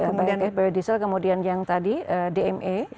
kemudian biodiesel kemudian yang tadi dma